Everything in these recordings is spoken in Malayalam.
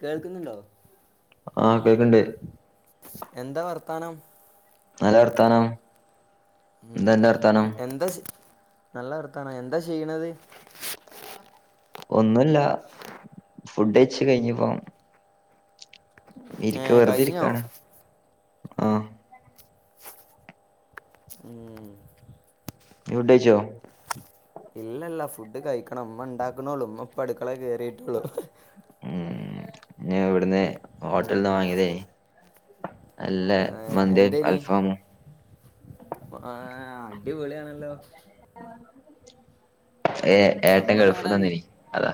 കേൾക്കുന്നുണ്ടോ ആഹ് കേക്ക്ണ്ട് എന്താ വർത്താനം നല്ല വർത്താനം എന്താ ഉം അന്റെ വർത്താനം എന്താ ചെ നല്ല വർത്താനം എന്താ ചെയ്യണത് ഒന്നുല്ല ഫുഡയ്ച് കഴിഞ്ഞ് ഇപ്പോ ഏ ഇരിക്ക വെറുതെ കഴിഞ്ഞോ ഇരിക്കയാണ് ആഹ് ഉം ജ്ജ് ഫുഡയ്ച്ചോ ഇല്ലല്ല ഫുഡ് കഴിക്കണം ഉമ്മ ഉണ്ടാക്കണൊള്ളു ഉമ്മ ഇപ്പൊ അടുക്കളേൽ കേറിയിട്ടുള്ളു ഉം ഇവിടുന്ന് ഉം ഹോട്ടലന്നാ വാങ്ങിയതേ അല്ല ഏ മന്തിയും അൽഫാമും ആഹ് അടിപൊളിയാണല്ലോ ഏഹ് ഏട്ടൻ നമ്മുടെ ഗൾഫ് ഇവിടെ വന്ദിനി അതാ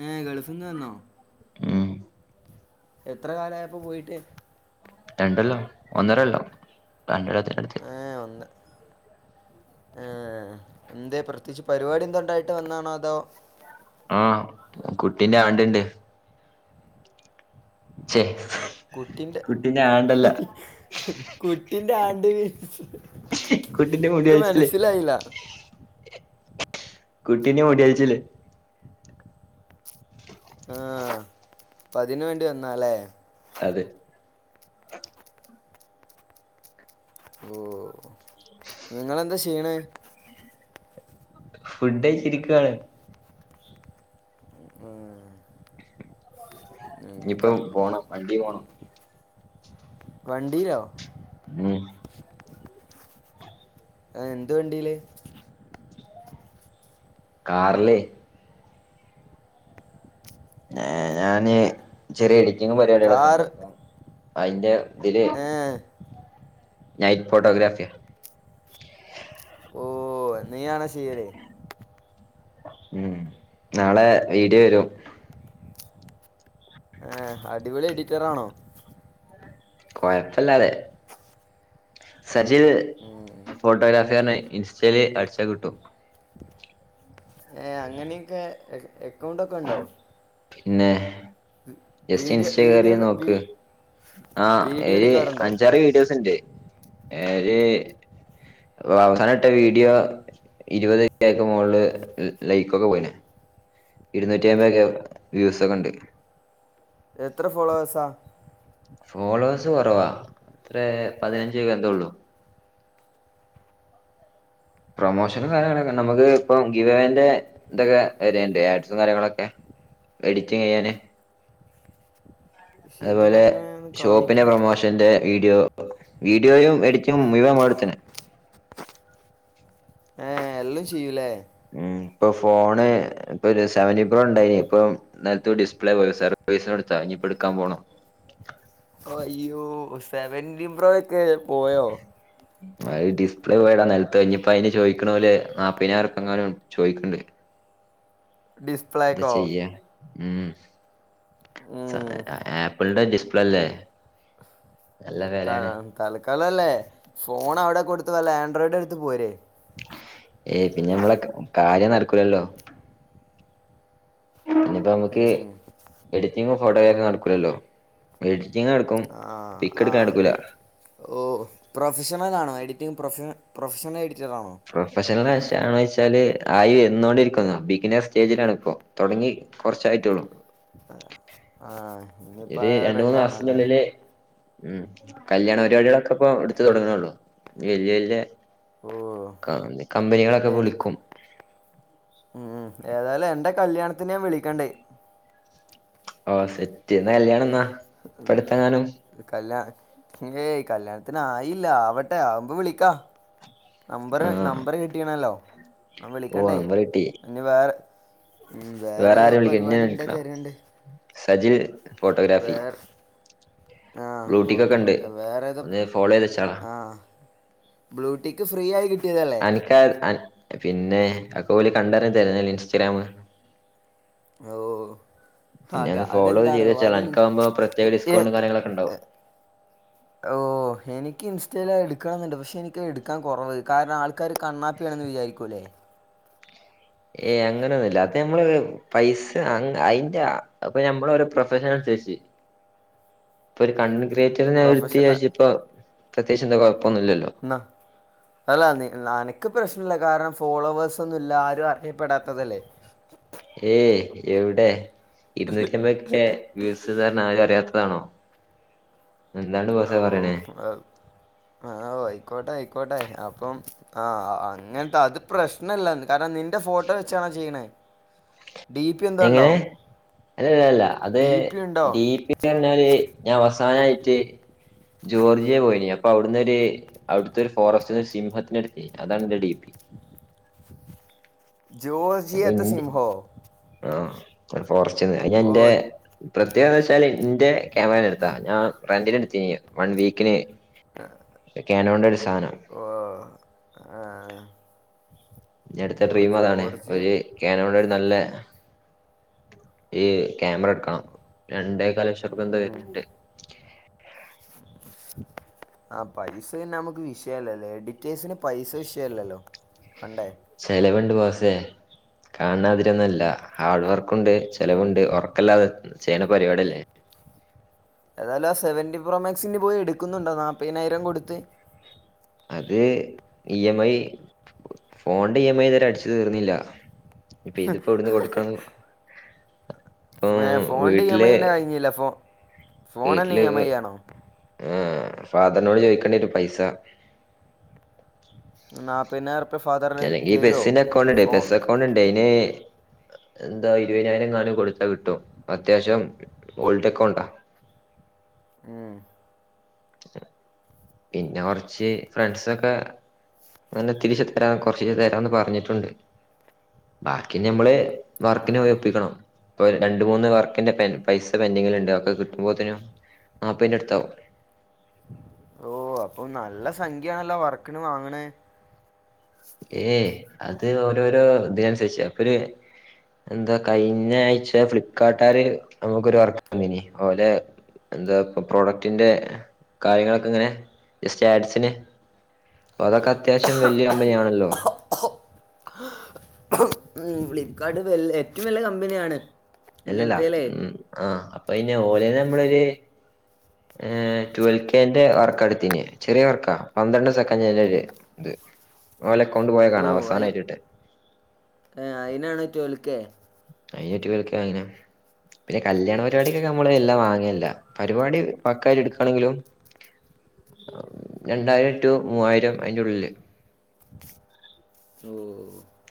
ഉം ഗൾഫിന്ന് വന്നോ? ഉം എത്ര കാലായപ്പോ പോയിട്ട് രണ്ടൊല്ലം ഒന്നരൊല്ലം രണ്ടര ഏഹ് ഒന്ന് ആഹ് എന്തേ പ്രത്യേകിച്ച് പരിപാടി എന്തുണ്ടായിട്ട് വന്നാണോ അതോ ആഹ് കുട്ടിന്റെ ആണ്ടിണ്ട് [unintelligible] കുട്ടിന്റെ കുട്ടീന്റെ ആണ്ടല്ല കുട്ടിന്റെ ആണ്ട് കുട്ടീന്റെ മുടി എനക്ക് കൊഴിച്ചില് മനസ്സിലായില്ല കുട്ടീനെ [unintelligible] ആഹ് അപ്പ അതിന് വേണ്ടി വന്ന അല്ലേ അതെ ഉം നിങ്ങളെന്താ ചെയ്യണേ ഫുഡ് കഴിച്ചിരിക്കുവാണ് ഉം ഇനിയിപ്പോ പോണം വണ്ടി പോണം വണ്ടിയിലോ ഉം ആഹ് എന്ത് വണ്ടീയില് കാറില് ഏഹ് ഞാന് ചെറിയ എഡിറ്റിങ്ങും പരിപാടികളൊക്കെ കാർ ഉണ്ട് അപ്പൊ അതിന്റെ ഇതില് ആഹ്‌ നൈറ്റ് ഫോട്ടോഗ്രാഫി ഓഹ് നീ ആണ [unintelligible] ഉം നാളെ വീഡിയോ വരും ആഹ്‌ അടിപൊളി എഡിറ്ററാണോ [inaudible] കുഴപ്പില്ലാതെ സച്ചീത് ഉം. ഫോട്ടോഗ്രാഫി പറ ഇൻസ്റ്റൽ അടിച്ചാൽ കിട്ടൂ ഏഹ് അങ്ങനെയൊക്കെ അക്കൗണ്ടൊക്കെ ഉണ്ടോ പിന്നെ ജസ്റ്റ് വീഡിയോ ഇൻസ്റ്റ കയറി വീഡിയോ നോക്ക് ആഹ് വീഡിയോ ഏഴ് എടുക്കാറുണ്ടോ അഞ്ചാറ് വീഡിയോസ് ഉണ്ട് ഏഴ് അപ്പൊ അവസാന ഇട്ട വീഡിയോ ഇരുപത് ആക്കുമ മോകളില് ലൈക്ക്ക്കെ പോയിന ഇരുന്നൂറ്റി അമ്പതൊക്കെ വ്യൂസ ഒക്കെ ഉണ്ട് എത്ര ഫോളോവേഴ്സാ ഫോളോവേഴ്സ് കുറവാ ഇത്രേ പതിനഞ്ച് എന്തേ ഉള്ളു പ്രൊമോഷനും കാര്യങ്ങളൊക്കെ നമുക്ക് ഇപ്പം [unintelligible] എന്തൊക്കെ വരണ്ട് ആഡ്സും കാര്യങ്ങളൊക്കെ എഡിറ്റിംഗ് ചെയ്യാന് പക്ഷെ ഇതില അങ്ങനെയാണ് കാണിക്കും എന്റെ വീഡിയോ വീഡിയോയും എഡിറ്റും മുഴുവൻ [unintelligible] ആഹ് എല്ലാം ചെയ്യൂലേ ഉം ഇപ്പൊ ഫോണ് ഇപ്പൊ ഒരു സെവൻ ഇപോ ഉണ്ടായിന് ഇപ്പൊ നിലത്ത് വീണ് ഡിസ്പ്ലേ പോയി [unintelligible] എടുത്താ ഇനിപ്പോ എടുക്കാൻ പോണോ ഓഹ് അയ്യോ സെവന്റി പ്രോ ഒക്കെ പോയോ അത് ഡിസ്പ്ലേ പോയതാ നിലത്ത് കഴിഞ്ഞപ്പ അയിന് ചോദിക്കണ പോലെ നാപ്പിനാർക്കെ എങ്ങും ചോിക്കണ്ട് ഡിസ്റ്റ് എന്ത ചെയ്യാ ഉം ആപ്പിളിന്റെ ഡിസ്പ്ളല്ലേ തൽ തൽക്കാലല്ലേ ഫോണ് അവിടെ കൊടുത്തോ നല്ല ആൻഡ്രോടെട്ത്ത് പോര് ഏയ് പിന്നെ നമ്മളെ കാര്യം നടകൂലല്ലോ പ്പ നമുക്ക് ഉം. എഡിറ്റിങ്ങും ഫോട്ടോഗ്ര നടകൂലല്ലോ എഡിറ്റിംഗട് ക്കും പിക്ക് ഇട്ക്കാൻനട്ക്കൂല- ഓഹ പ്രൊഫഷണൽ ആണോ എഡിറ്റിംഗ് പ്രൊഫ പ്രൊഫഷണൽ എഡിറ്റർ ആണോ? പ്രൊഫഷണലാണോയ്ച്ചാല് ആയന്നോണ്ടിരിക്കുന്നു. ബികിന സ്റ്റേജിലാണ് പ്പോ തൊടങ്ങി കൊർച്ചായിട്ടേള്ളൂ ആഹ്ാ ആഹഹാാ ഒര് രണ്ട് മൂന്ന് മാസത്തിന്റെ ഉള്ളില് മ് കല്യാണ പരിപാടികളൊക്കെ പ്പൊ എടുത്ത് തൊടങ്ങണള്ളൂ വല്യ വല്യ ഓ കമ്പനികളൊക്കെ വിളിക്കും മ്മ് ഏതായാലും എന്റെ കല്യാണത്തിന് ഞാൻ വിളിക്കണ്ട് ഓ സെറ്റ് അന്റെകല്യാണം ന്നാ? മ്മ് കല്യാ ഏയ് കല്യാണത്തിനായില്ല ആവട്ടെ ആവുമ്പോ വിളിക്ക നമ്പർ ആഹ് നമ്പറ് കിട്ടിണല്ലോ ഓ വിളിക്കണ്ടേ നമ്പർ കിട്ടി ഞ്ഞി വേ മ് വേറെ വേറെതോ ആരെ വിളിക്കണം ഇന്നെ പരിപാടിണ്ടെ വിളിക്കണം തരെണ്ട് സജിൽ ഫോട്ടോഗ്രാഫി ആഹ് ബ്ലൂടിക്കൊക്കെ ഓക്കെ ണ്ട് ഒന്ന് ഫോളോയ്തചാ ആഹാ ബ്ലൂടിക്ക് ഫ്രീ ആയി കിട്ടിയതല്ലേ? [unintelligible] പിന്നെ അക്കോല് കണ്ടറിഞ്ഞ് തരാനാലെ ഇൻസ്റ്റഗ്രാമ് ഓഹ് പിന്നെ അതാ ഒന്ന് ഫോളോ ചെയ്ത് അതെന്താറിയോ അത് വെച്ചാളാ അനക്കാവുമ്പോ പ്രത്യേക ഡിസ്കൗണ്ടും [unintelligible] [inaudible] കാര്യങ്ങളൊക്കെ ഉണ്ടാവും ഓഹ് എനിക്ക് ഇൻസ്റ്റഗ്രായിൽ ആഹ് ഇട്ക്കണന്ന്ണ്ട് പഷെ ഇൻക്ക് എടുക്കാൻ കൊറവ് കാരണം ആൾക്കാര് കണ്ണാപിണെന്ന് വിചാരിക്കുല്ലേ ഏയ് അങ്ങനൊന്നുംല്ല അത് നമ്മള്ത് പൈസ അയ്ന്റെ അപ്പൊ ഞമ്മള് ഒരു പ്രൊഫഷനനുസരിച്ച് ഇപ്പൊ ഒരു കണ്ടൻക്രീയേറ്ററ് ഞാൻ എടുത്ത് പ്രൊഫഷണൽ വിചാരിച്ച് പ്രത്യേയ്ച്ച് ന്താ കൊഴപ്പൊന്നുമല്ലല്ലോ ന്ന അല്ല നി അനക്ക് പ്രശ്നല്ല കാരണം ഫോളോവേഴ്സൊന്നും ല്ല ആരും അറിയപ്പെടാത്തതല്ലേ ഏയ് എവിടെ ഇരുന്നൂറ്റെമ്പേകെ വ്യൂസ് എന്ന് പറഞ്ഞ ആരും അറിയാത്തതാണോ എന്താണ് ബോസേ പറിണേ ആഹാ ഓ അയ്ക്കോട്ടെ അയ്ക്കോട്ടെ അപ്പം ആ അങ്ങത്തെ അത് പ്രശ്നല്ലന്ന് കാരണം നിൻ ന്റെ ഫോട്ടോ വെച്ചാണോ ചെയ്യ്ണ്? എങ്ങനെ അല്ലല്ലാ അത് ഡി പി ഉണ്ടോ ടി പി പറഞ്ഞാൽ ഞാവസാനായിട്ട് ജോർജിയെ പോയിനി അപ്പൊഔട്ന്നൊര് അവിടതൊരു ഫോറസ്റ്റ് സിംഹത്തിനെടുതീനി അതാണന്റെ ഡി പി അപ്പൊ ജോർജിയതെ ഇന്റെ സിംഹോ ആഹ് ഫോറസ്റ്റ്ന്ന് അഹ് ഓ ഞാന്റെ പ്രത്യേക ന്താച്ചാല് ന്റെ ക്യാമറേന്ന് എടുത്താ ഞാറന്റിന് എടുതീനി വൺ വീക്കിന് കേണോന്റൊര് സാനം ഓഹ് ഇനി അടുത്ത ഓ ഡ്രീം അതാണ് ജോർജിയ ഒരു കാനോടെര് നല്ല ഈ ക്യാമറ എടുക്കണം രണ്ടകാൽ ലക്ഷം ഉർപ്യന്തോ വരുന്നുണ്ട് ആ പൈസപിന്നെ നമ്മക്ക് വിഷയല്ലല്ലേ എഡിറ്റേഴ്സിന് പൈസ വിഷയല്ലല്ലോ പണ്ടേ ചെലവ്ണ്ട് ബോസേ കാണാമാതിറി ഒന്നുല്ലാ ഹാർഡ് വർക്കുണ്ട് ചെലവുണ്ട് ഉറക്കല്ലാതെ ചെയ്യണ പരിപാടല്ലേ ഏതാലും ആ സെവന്റി പ്രോമാക്സ് പോയി എടുക്കുന്നുണ്ടോ നാൽപ്പതിനായിരം കൊടുത്ത്? അത് ഇ എം ഐ ഫോണിന്റെ ഇ എം ഐ ഇതുരെ അടിച്ചു തീർന്നില്ല ഇപ്പൊ ഇതിപ്പോ എവിടുന്ന് കൊടുക്കാന്ന് ഉം ഫോണിൻ്റെ ഇ എം വീട്ടില് ഐൻ്റെ കഴിഞ്ഞില്ല ഫോ ഫോൺ തന്നെ വീട്ടില് എം ഇ ഐ ആണോ ആഹ് ഫാദറിനോട് ചോയിക്കണ്ടിയെരും പൈസ നാൽ പിനാറുപ്യ ഫാദർ തെരോ ഫോൺ ക്കുണ്ട്ണ്ടയ്നേ എന്താ ഇരുവയ്നായിരങ്ങാണ്ട് കൊടുത്ത കിട്ടും അത്യാവശ്യം ഓൾഡക്കൗണ്ടാ ഉം പിന്നെ കൊർച്ച് ഫ്രണ്ട്സൊക്കെ അങ്ങനെത്തിരിഷെ തരാ കൊറച്ചിചെ തരാന്ന് പറഞ്ഞിട്ടുണ്ട് ബാക്കി ഞ് ഞമ്മള് ആ വർക്കിന് പോയി ഒപ്പിക്കണം പ്പൊ രണ്ട് മൂന്ന് വർക്കിന്റെ പ പൈസ പെന്റിങ്ങില്ണ്ട് അതൊക്കെ കി ട്ടുമ്പോത്തിന് നാപ്പിന്റെ അടുത്താവും ഓ അപ്പൊ നല്ല സംഖ്യയാണല്ലോ വർക്ക്ണ് വാങ്ങ്ണ് ഏയ് അത് ഓരോരോ ഇതിനനുസരിച്ച് അപ്പൊര് എന്താ കഴിഞ്ഞ ആഴ്ച ഫ്ലിപ്പ്കാർട്ടാര് നമുക്കൊരു വർക്കന്നിനിം ഓലെ എന്താ പൊ പ്രോഡക് റ്റി ന്റെ കാര്യങ്ങളൊക്കെ ഇങ്ങനെ ജസ്റ്റ് ആഡ്സിന് അപ്പൊ അതൊക്കെ അത്യാവശ്യം വലിയ കമ്പനി ആണല്ലോ ഉം ഫ്ലികാർട്ട് പൊ ഏറ്റവും വല്ല്യെ കമ്പനിയാണ് അല്ലല്ല ഇങ്ങനത്തേലേ ഉം ആഹ് അപ്പൊ പിന്നെ ഓലെയ്ന്നമ്മളൊര് ഏഹ് റ്റുവൽ കെന്റെ വർക്കട്ത്തിനെഹ് ചെറിയ വർക്കാ പന്ത്രണ്ട് സെക്കന്റിന്റെ ഒര് ഇത്‌ ഓല അക്കൗണ്ട് പോയ കാണാ അവസാനായ്റ്റ് ട്ടെഹ് ഏഹ് അയിനാണ് റ്റുവൽക്കെ അയ്ന് റ്റുവൽക്കെ വങ്ങിന് പിന്നെ കല്യാണ പരിപാടിക്കൊക്കെ അമ്മള് എല്ലം വാങ്ങൽ ല്ല പരിപാടി പക്കായ്റ്റ് ഇട്ക്കാണെങ്കിലും രണ്ടായിരം റ്റു മൂവായിരം അയിന്റെ ഉള്ളില് ഓ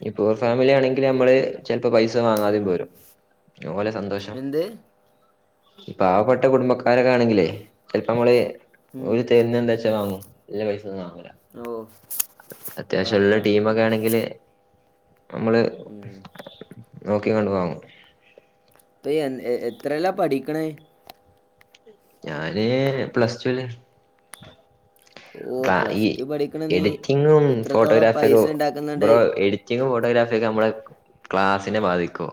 ഇഞ്ഞി പുവർ ഫാമിലി ആണെങ്കില് അമ്മള് ചെൽപ്പോ പൈസ വാങ്ങാതിം പോരും അഹ് ഓലെ സന്തോഷം. എന്ത് ഇ പാവപ്പെട്ട കുടുംബക്കാരൊക്കെ ആണെങ്കിലേ ചെൽപ്പൊ മ്മള് ഓര് തെര്നെന്താ ച്ചാ വാങ്ങും നല്ല പൈസൊന്നും വാങ്ങുല ഓഹ് അത്യാവശ്യം ള്ള ടീമൊക്കെ ആണെങ്കില് നമ്മള് നോക്കിക്കണ്ടും വാങ്ങും പ്പ് യ്യ് എത്രല്ലാ പഠിക്കണേ ഞാന് പ്ലസ് ടുല് ഓ കാ പ്ലസ് ഈ ടു പഠിക്കണ നീ എഡിറ്റിങ്ങും ഇത്രത്തോളം ഫോട്ടോഗ്രാഫിയൊക്കെ പൈസ ഉണ്ടാക്കുന്നുണ്ട് ബ്രോ എ എഡിറ്റിങ്ങും ഫോട്ടോഗ്രാഫിയൊക്കെ അമ്മളെ ക്ലാസിനെ ബാധിക്കോ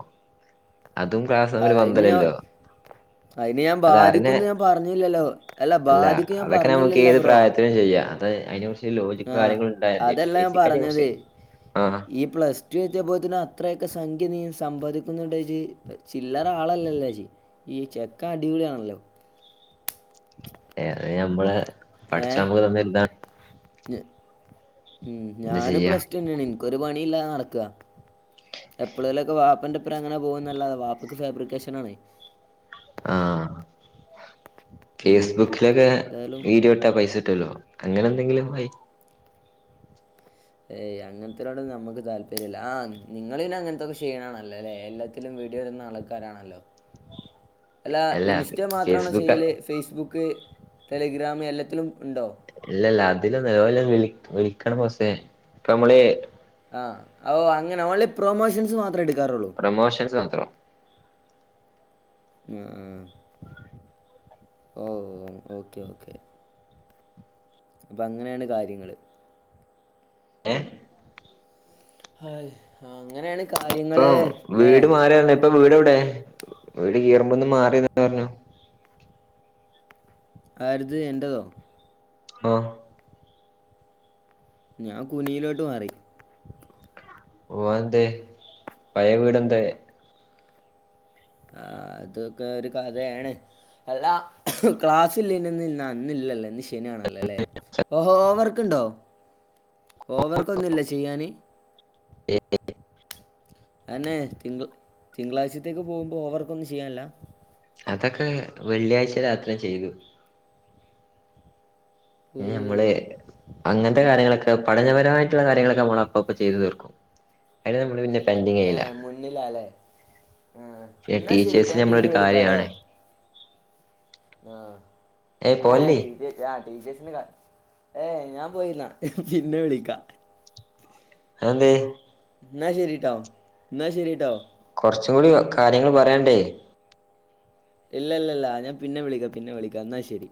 അതും ക്ലാസ് തമ്മില് ബന്ധല്ലല്ലോ അയ്ന് ഞാൻ ബാധിക്കുംന്ന് ഞാൻ പറഞ്ഞില്ലല്ലോ അല്ല ബാധിക്കും ഞാൻ പറഞ്ഞില്ലല്ലോ ബ്രോ ത്രയിം ചെയ്യ അത അയ്നെക്കുറിച്ച് ലോജിക്കും ആ കാര്യങ്ങളൊക്കെ ണ്ടായാ മതി അതല്ല ഞാൻ ബേസിക് അയിറ്റ് കൊർച് പറഞ്ഞത് ആഹ് അഹ് ഈ പ്ലസ് ടു എത്തിയപോത്തിന് അത്രയൊക്കെ സംഖ്യ നീ സമ്പാദിക്കുന്നുണ്ട് ജ്ജ് ചില്ലരാളല്ലല്ലേ ജ്ജ് യ്യ് ചെക്കം അടിപൊളിയാണല്ലോ ഏ അത് ഞമ്മളെ ഏ പടച്ചോൻ ഞമ്മക്ക് തന്ന ഒരിത് ആണ് ഞ ഉം എന്താ ഞാനും ചെയ്യാ പ്ലസ് ടുന്നേണ് ഇൻക്കൊരു പണിയില്ലാതെ നടക്ക എപെളെലോക്കെ വാപ്പന്റ് പ്പരം അങ്ങനെ പോകുന്നല്ലതെ വാപ്പക്ക് ഫാബ്രിക്കേഷൻ ആണെ ആഹ് [inaudible] ഫേസ്ബുക്കിലൊക്കെ എന്തായാലും വീഡിയോ ഇട്ടാ പൈസ കിട്ടൊല്ലോ അങ്ങനെ എന്തെങ്കിലും വയി ഏയ് അങ്ങൻതെരിപടിയൊന്നും ഞമ്മക്ക് താല്പര്യല്ല. ആഹ് നിങ്ങൾ പിന്നെ അങ്ങനത്തൊക്കെ ചെയ്ണാണല്ലോ ല്ലെ എല്ല ത്തിലും വീഡിയോ ട്ന്നാ ആൾക്കാരാണല്ലോ [inaudible] അല്ല ഇൻസ്റ്റ മാത്രാണോ ഫേസ്ബുക്ക് ചെയ്യല് ഫേസ്ബുക്ക് ടെലിഗ്രാം എല്ലത്തിലും ഉണ്ടോ ഇല്ലല്ല അതിലൊന്നുല്ല ഓല് വിള വിളിക്കണം ബോസേ ഇപ്പ അമ്മള് ആ ഓ അങ്ങനെ അവള പ്രൊമോഷൻസ് മാത്രമേ എടുക്കാറുള്ളൂ പ്രമോഷൻസ് മാത്രം ആ ഓ ഓക്കെ ഓക്കെ അപ്പൊ അങ്ങനെയാണ് കാര്യങ്ങള് ഏ ആ അങ്ങനെയാണ് കാര്യങ്ങൾ ഇപ്പൊ അല്ലേ വീട് മാറിഞ്ഞ ഇപ്പൊ വീട് എവിടെ വീട് കീറമ്പ ഒന്നും മാറി പറഞ്ഞു ആരുത് എന്റതോ ഓഹ് ഞാൻ കുനിയിലോട്ട് മാറി ഓ എന്ത പയ വീട്ന്താ ആ അതൊക്കെ ഒരു കഥയാണ് അല്ല ക്ലാസ്ല്ലന്ന് അന്നില്ലല്ലോ ശനാണല്ലോ അല്ലേ ഓ ഹോവർക്ക് ഉണ്ടോ ഹോവർക്ക് ഒന്നുമല്ല ചെയ്യാാന് ഹ അന്നെ തി തിങ്കളാഴ്ചത്തേക്ക് പോകുമ്പോ ഓവർക്ക് ഒന്നും ചെയ്യാല്ല അതൊക്കെ വെള്ളിയാഴ്ച രാത്ര ചെയ്തു ഓ നമ്മള് അങ്ങനത്തെ കാര്യങ്ങളൊക്കെ പഠനപരമായിട്ടുള്ള കാര്യങ്ങളൊക്കെ നമ്മള അപ്പപ്പ ചെയ്തു തീർക്കും അതിന് നമ്മള് പിന്നെ ഏ പെൻറിങ്ചെയ്യില മുന്നിലല്ലേ ആ പിന്നെ എന്നാ ശരി ട്ടോ, ടീച്ചേഴ്സ് ഞാൻ നമ്മളൊ പിന്നെ ഒരു കാര്യാണ് ഏയ് ആഹ ആ പോവല്ലേ ആ ടീച്ചേഴ്സിന്റെ കാ ഏ് ഞാൻ പോയിരുന്ന പിന്നെ വിളിക്കാ എന്തേ ന ശരിട്ടാവ ന ശരിട്ടാവ കുറച്ചും കൂടി കാര്യങ്ങൾ പറയണ്ടേ ഇല്ല ഇല്ല ഇല്ല ഞൻ പിന്നെ വിളിക്കാം പിന്നെ വിളിക്കാം എന്നാൽ ശരി